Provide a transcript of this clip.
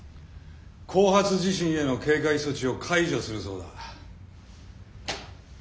後発地震への警戒措置を解除するそうだ。